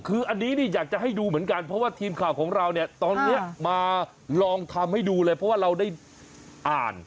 คืออันนี้อยากจะให้ดูเหมือนกันเพราะว่าทีมข่าวของเราเนี่ยตอนนี้มาลองทำให้ดูเลยเพราะว่าเราได้อ่าน